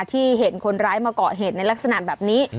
ที่เห็นคนร้ายมาเกาะเหตุในลักษณะแบบนี้